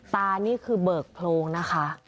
นี่คือเบิกโพรงนะคะ